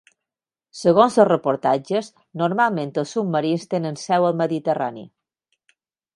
Segons els reportatges, normalment els submarins tenen seu al mediterrani.